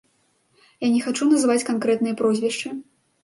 Я не хачу называць канкрэтныя прозвішчы.